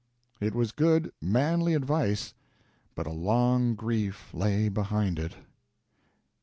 It was good, manly advice, but a long grief lay behind it.